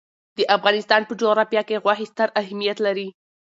د افغانستان په جغرافیه کې غوښې ستر اهمیت لري.